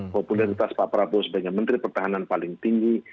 popularitas pak prabowo sebagai menteri pertahanan paling tinggi